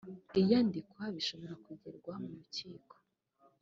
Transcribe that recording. iyandikwa bishobora kuregerwa mu rukiko